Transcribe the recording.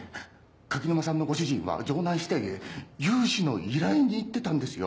垣沼さんのご主人は城南支店へ融資の依頼に行ってたんですよ。